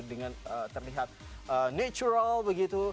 dengan terlihat natural begitu